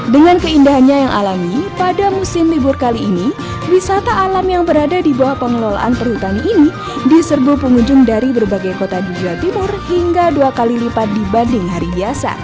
dengan keindahannya yang alami pada musim libur kali ini wisata alam yang berada di bawah pengelolaan perhutani ini diserbu pengunjung dari berbagai kota di jawa timur hingga dua kali lipat dibanding hari biasa